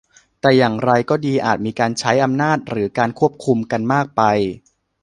แต่อย่างไรก็ดีอาจมีการใช้อำนาจหรือการควบคุมกันมากไป